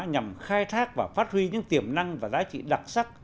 nhằm khai thác và phát huy những tiềm năng và giá trị đặc sắc